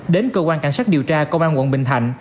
đến cơ quan cảnh sát điều tra công an quận bình thạnh